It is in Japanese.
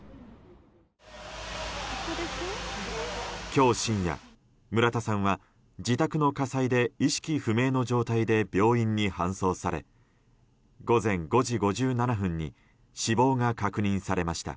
今日深夜、村田さんは自宅の火災で意識不明の状態で病院に搬送され午前５時５７分に死亡が確認されました。